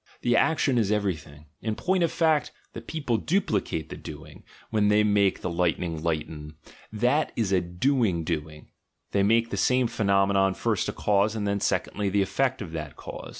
The action is everything. In point of fact, the people duplicate the doing, when they make the lightning lighten, that is a "doing doing"; they make the same phenomenon first a cause, and then, secondly, the effect of that cause.